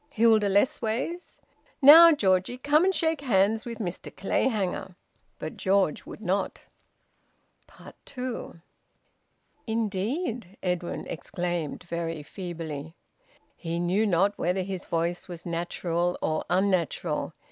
Hilda Lessways? Now, Georgie, come and shake hands with Mr Clayhanger." But George would not. TWO. "Indeed!" Edwin exclaimed, very feebly. He knew not whether his voice was natural or unnatural.